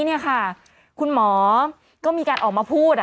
นี่ค่ะคุณหมอก็มีการออกมาพูด